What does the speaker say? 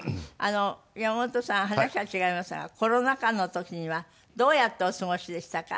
山本さん話は違いますがコロナ禍の時にはどうやってお過ごしでしたか？